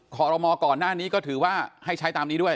ขอรมอก่อนหน้านี้ก็ถือว่าให้ใช้ตามนี้ด้วย